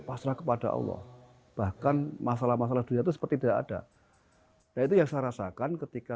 pasrah kepada allah bahkan masalah masalah dunia itu seperti tidak ada itu yang saya rasakan ketika